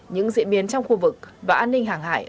những diễn biến trong khu vực và an ninh hàng hải ở biển đỏ